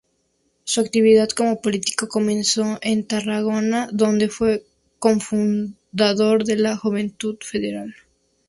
Su actividad como político comenzó en Tarragona, donde fue cofundador de la "Joventut Federal".